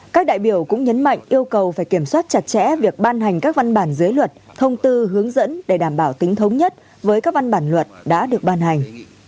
các đại biểu cũng nhấn mạnh yêu cầu phải kiểm soát chặt chẽ việc ban hành các văn bản dưới luật thông tư hướng dẫn để đảm bảo tính thống nhất với các văn bản luật đã được ban hành